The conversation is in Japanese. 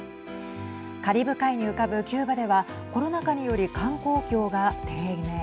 カリブ海に浮かぶキューバではコロナ禍により観光業が低迷。